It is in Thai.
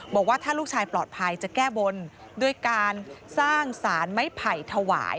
บอกว่าถ้าลูกชายปลอดภัยจะแก้บนด้วยการสร้างสารไม้ไผ่ถวาย